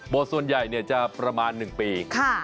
โบสถ์ส่วนใหญ่จะประมาณ๑ปี